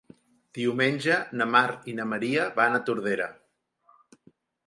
Diumenge na Mar i na Maria van a Tordera.